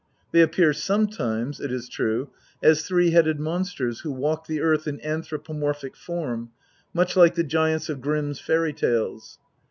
They appear some times, it is true, as three headed monsters who walk the earth in anthropomorphic form, much like the giants of Grimm's fairy tales.